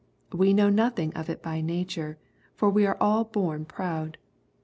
We know nothing of it by nature, for we are all bom proud.